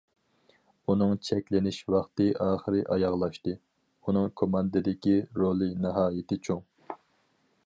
ئۇنىڭ چەكلىنىش ۋاقتى ئاخىرى ئاياغلاشتى، ئۇنىڭ كوماندىدىكى رولى ناھايىتى چوڭ.